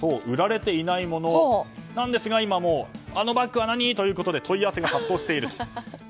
売られていないものなんですが今、あのバッグは何？と問い合わせが殺到していると。